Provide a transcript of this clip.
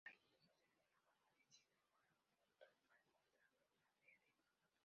Frailecillo y Odette, en su forma de cisne, vuelan juntos para encontrar a Derek.